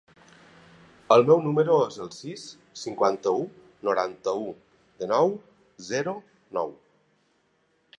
El meu número es el sis, cinquanta-u, noranta-u, dinou, zero, nou.